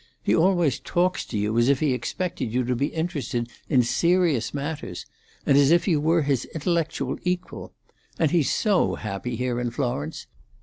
He always talks to you as if he expected you to be interested in serious matters, and as if you were his intellectual equal. And he's so happy here in Florence!